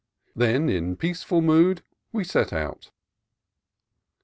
Then in peaceful mood we set out.